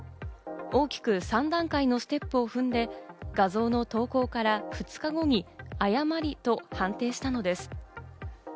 大きく３段階のステップを踏んで、画像の投稿から２日後に誤りと判定したのです。